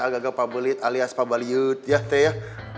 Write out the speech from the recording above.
agak agak pabelit alias pabaliyut ya teh ya